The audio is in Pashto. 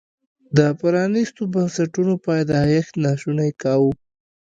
د پرانیستو بنسټونو پیدایښت ناشونی کاوه.